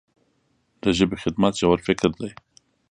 د ژبې خدمت ژور فکر دی.